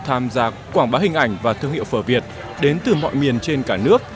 tham gia quảng bá hình ảnh và thương hiệu phở việt đến từ mọi miền trên cả nước